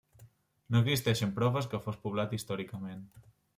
No existeixen proves que fos poblat històricament.